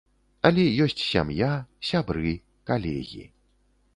Але ёсць сям'я, сябры, калегі.